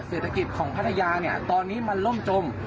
เศรษฐกิจของพัทยาเนี่ยตอนนี้มันล่มจม